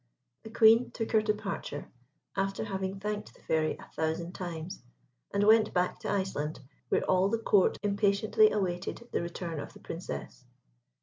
The Queen took her departure, after having thanked the Fairy a thousand times, and went back to Iceland, where all the Court impatiently awaited the return of the Princess.